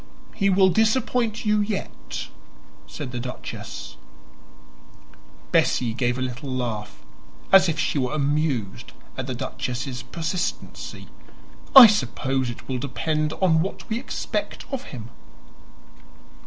"He will disappoint you yet," said the duchess. Bessie gave a little laugh, as if she were amused at the duchess's persistency. "I suppose it will depend on what we expect of him."